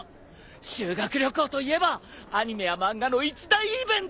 修学旅行といえばアニメや漫画の一大イベント！